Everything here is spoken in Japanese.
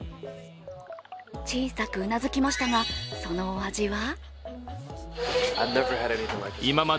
小さく頷きましたが、そのお味は？